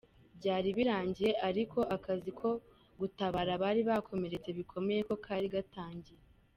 Byari birangiye ariko akazi ko gutabara abari bakomeretse bikomeye ko kari gatangiye.